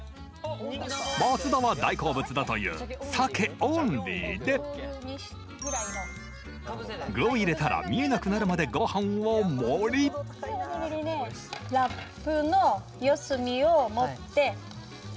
松田は大好物だというさけオンリーで具を入れたら見えなくなるまでごはんを盛りラップの四隅を持って握っちゃダメですよ。